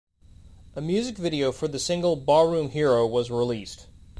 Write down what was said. A music video for the single "Barroom Hero" was released.